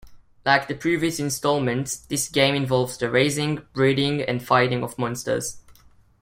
Like the previous installments, this game involves the raising, breeding, and fighting of monsters.